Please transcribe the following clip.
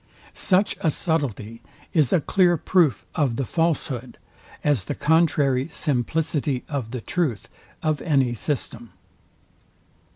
Such a subtility is a dear proof of the falshood, as the contrary simplicity of the truth, of any system.